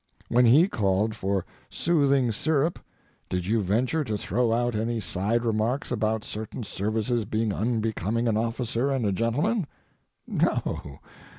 When he called for soothing syrup, did you venture to throw out any side remarks about certain services being unbecoming an officer and a gentleman? No.